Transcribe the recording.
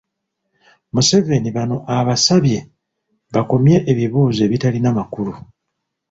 Museveni bano abasabye bakomye ebiboozi ebitalina makulu.